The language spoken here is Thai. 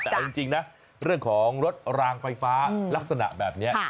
แต่เอาจริงนะเรื่องของรถรางไฟฟ้าลักษณะแบบนี้